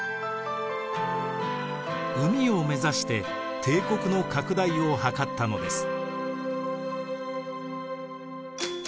海を目指して帝国の拡大を図ったのです。